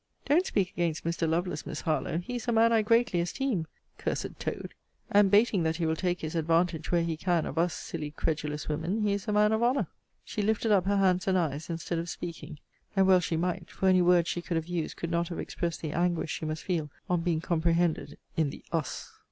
Don't speak against Mr. Lovelace, Miss Harlowe. He is a man I greatly esteem. [Cursed toad!] And, 'bating that he will take his advantage, where he can, of US silly credulous women, he is a man of honour. She lifted up her hands and eyes, instead of speaking: and well she might! For any words she could have used could not have expressed the anguish she must feel on being comprehended in the US.